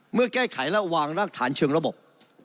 เมื่อแก้ไขและวางรากฐานเชิงระบบ